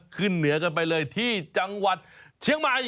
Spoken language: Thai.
ขึ้นเหนือกันไปเลยที่จังหวัดเชียงใหม่